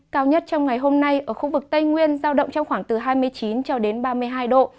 cao nhất trong ngày hôm nay ở khu vực tây nguyên giao động trong khoảng từ hai mươi chín cho đến ba mươi hai độ